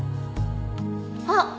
あっ！